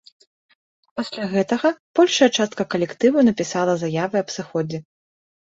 Пасля гэтага большая частка калектыву напісала заявы аб сыходзе.